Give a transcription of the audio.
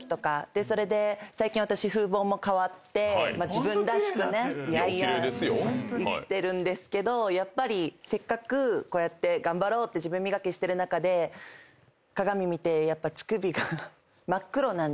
自分らしくね生きてるんですけどやっぱりせっかくこうやって頑張ろうって自分磨きしてる中で鏡見てやっぱ乳首が真っ黒なんですよね。